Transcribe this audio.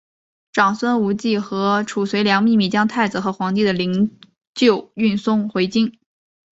长孙无忌和褚遂良秘密将太子和皇帝的灵柩运送回京。